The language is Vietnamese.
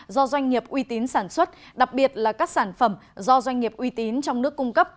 do doanh nghiệp uy tín sản xuất đặc biệt là các sản phẩm do doanh nghiệp uy tín trong nước cung cấp